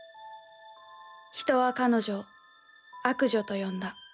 人は彼女を悪女と呼んだ。